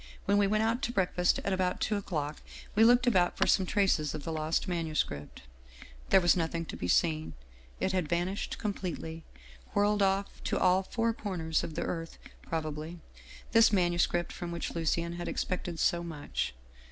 When we went out to breakfast at about two o'clock, we looked about for some traces of the lost manuscript. " There was nothing to be seen. It had vanished com pletely, whirled off to all four corners of the earth prob ably, this manuscript from which Lucien had expected so much.